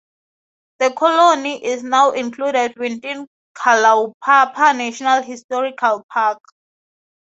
The colony is now included within Kalaupapa National Historical Park.